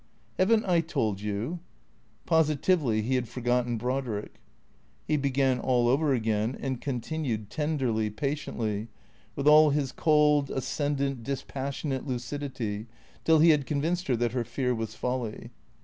"Haven't I told you?" Positively he had forgotten Brodrick. He began all over again and continued, tenderly, patiently, with all his cold, ascendant, dispassionate lucidity, till he had convinced her that her fear was folly.